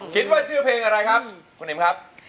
คิดว่าชื่อเพลงอะไรครับคุณอิ๋มครับ